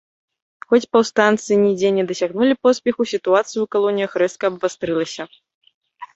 Хоць паўстанцы нідзе не дасягнулі поспеху, сітуацыя ў калоніях рэзка абвастрылася.